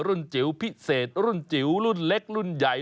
จิ๋วพิเศษรุ่นจิ๋วรุ่นเล็กรุ่นใหญ่